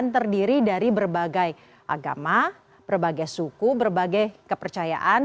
terdiri dari berbagai agama berbagai suku berbagai kepercayaan